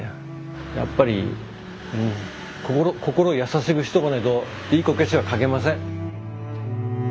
やっぱり心優しくしとかないといいこけしは描けません。